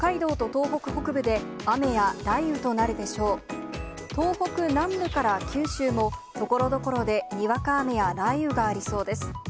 東北南部から九州も、ところどころでにわか雨や雷雨がありそうです。